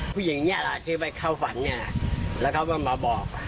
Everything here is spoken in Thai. ผู้หญิงเนี่ยแหละที่ไปเข้าฝันเนี่ยแล้วเขาก็มาบอก